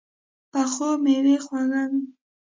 پخو مېوې خواږه وي